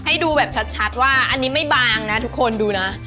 ให้ดูแบบชัดว่าอันนี้ไม่บางนะทุกคนดูนะ